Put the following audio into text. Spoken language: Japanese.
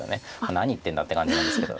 何言ってんだって感じなんですけど。